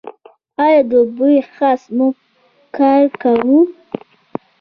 ایا د بوی حس مو کار کوي؟